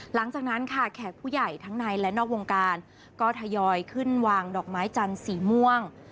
หลังจากนั้นค่ะแขกผู้ใหญ่ทั้งในและนอกวงการก็ทยอยขึ้นวางดอกไม้จันทร์สีม่วง